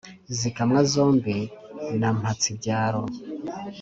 zikamwa zombi na mpatsibyaro.